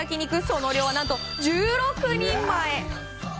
その量は何と１６人前。